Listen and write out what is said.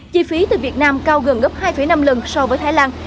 chi phí từ việt nam cao gần gấp hai năm lần so với thái lan